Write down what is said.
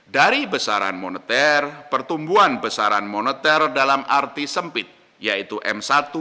dari besaran moneter pertumbuhan besaran moneter dalam arti sempit yaitu m satu